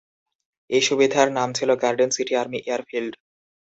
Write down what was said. এই সুবিধার নাম ছিল গার্ডেন সিটি আর্মি এয়ারফিল্ড।